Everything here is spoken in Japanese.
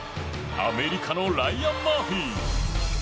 アメリカのライアン・マーフィー。